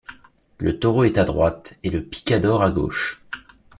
Le taureau est à droite et le picador à gauche.